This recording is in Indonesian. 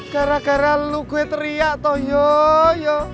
gara gara lu gue teriak toh yoyo